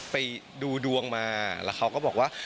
ไปดูดวงมาแล้วเขาก็บอกว่า